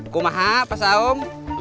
kuma ha'ah pak saun